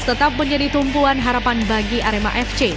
tetap menjadi tumpuan harapan bagi arema fc